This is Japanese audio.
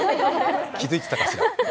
気付いてたかしら。